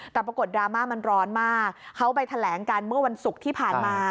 แต่ปรากฏดราม่ามันร้อนมากเขาไปแถลงกันเมื่อวันศุกร์ที่ผ่านมา